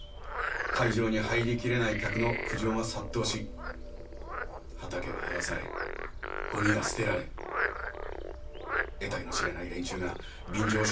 会場に入りきれない客の苦情が殺到し畑は荒らされゴミは捨てられえたいの知れない連中が便乗商売を始める。